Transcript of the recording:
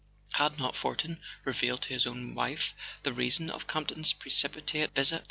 Had not Fortin revealed to his own wife the reason of Campton's precipitate visit